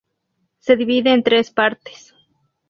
Se divide en tres partes.